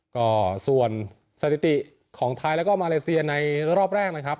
ก็ส่วนสถิติของไทยแล้วก็มาเลเซียในรอบแรกนะครับ